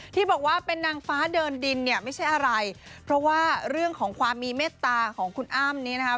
ที่บอกว่าเป็นนางฟ้าเดินดินเนี่ยไม่ใช่อะไรเพราะว่าเรื่องของความมีเมตตาของคุณอ้ำนี้นะคะ